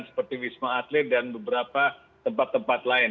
seperti wisma atlet dan beberapa tempat tempat lain